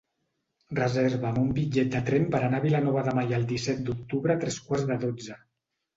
Reserva'm un bitllet de tren per anar a Vilanova de Meià el disset d'octubre a tres quarts de dotze.